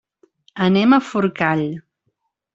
Anem a Forcall.